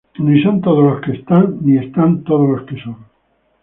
Ni son todos los que están, ni están todos los que son